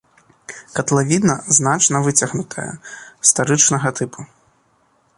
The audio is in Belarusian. Катлавіна значна выцягнутая, старычнага тыпу.